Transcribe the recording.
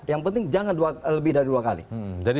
yang penting jangan lebih dari dua kali